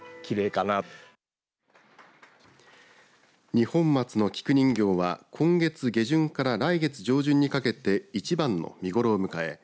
二本松の菊人形は今月下旬から来月上旬にかけて一番の見頃を迎え